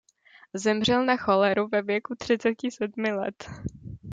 Zemřel na choleru ve věku třiceti sedmi let.